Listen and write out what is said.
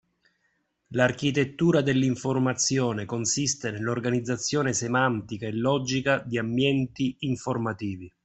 L’architettura dell’informazione consiste nell’organizzazione semantica e logica di ambienti informativi